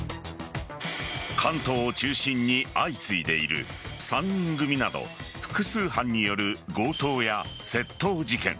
関東を中心に相次いでいる３人組など複数犯による強盗や窃盗事件。